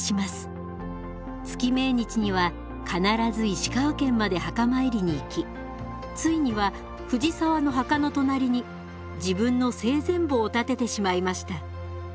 月命日には必ず石川県まで墓参りに行きついには藤澤の墓の隣に自分の生前墓を建ててしまいました。